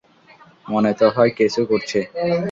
মনে তো হয় কেসও করছে।